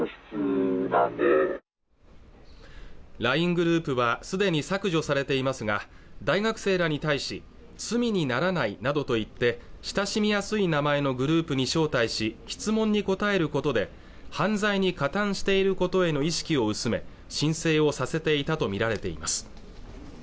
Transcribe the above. ＬＩＮＥグループはすでに削除されていますが大学生らに対し罪にならないなどと言って親しみやすい名前のグループに招待し質問に答えることで犯罪に加担していることへの意識を薄め申請をさせていたと見られています